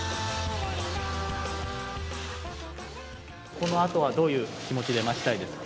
・このあとはどういう気持ちで待ちたいですか？